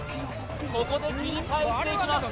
ここで切り返していきます